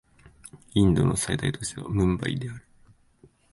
インドの最大都市はムンバイである